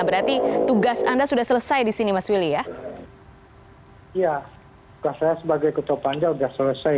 berarti tugas anda sudah selesai di sini mas willy ya tugas saya sebagai ketua panja sudah selesai